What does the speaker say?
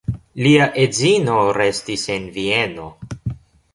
Lia edzino restis en Vieno.